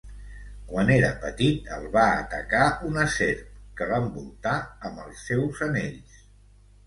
Quan era petit el va atacar una serp, que l'envoltà amb els seus anells.